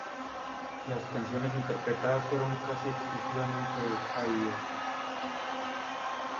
Las canciones interpretadas fueron casi exclusivamente de Kyuss.